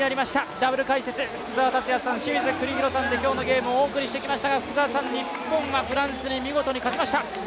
ダブル解説、福澤達哉さん、清水邦広さんで今日のゲームをお送りしてきましたが福澤さん、日本はフランスに見事に勝ちました！